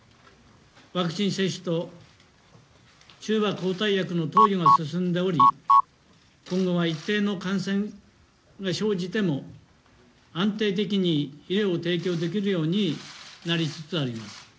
ワクチン接種と中和抗体薬の投与が進んでおり、今後は一定の感染が生じても安定的に医療を提供できるようになりつつあります。